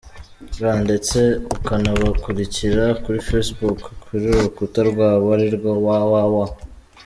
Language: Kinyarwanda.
rw ndetse ukanabakurikira kuri facebook ku rukuta rwabo, arirwo www.